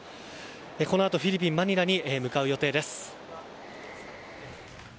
このあとフィリピン・マニラに向かう予定です。